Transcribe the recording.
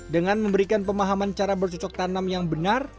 dengan memberikan pemahaman cara bercocok tanam yang benar